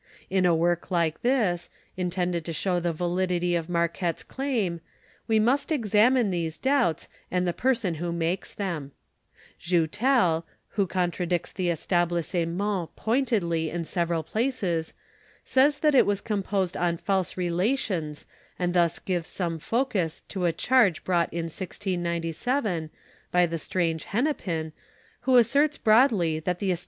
In a work like this, intended to hIiow the validity of Marquette's claim, we must examine these doubts, and the person who makes them. Joutel, who con tradicts tlie Etablissement pointedly in ui'veral | 'uces, says that it was com posed on false relations, and thus gi\ <3 some fc >' to a char > brou^lit in 1697, by the strange Hennepin, who asserts broadly that the £t